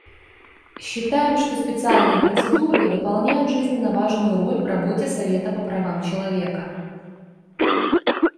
Считаем, что специальные процедуры выполняют жизненно важную роль в работе Совета по правам человека.